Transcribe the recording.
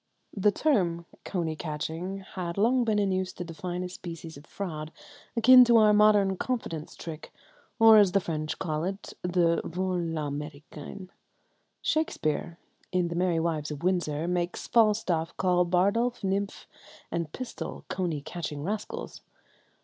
The term coney catching had long been in use to define a species of fraud akin to our modern "confidence trick," or, as the French call it, the vol à l'Americain. Shakespeare, in the "Merry Wives of Windsor," makes Falstaff call Bardolph, Nym, and Pistol "coney catching rascals."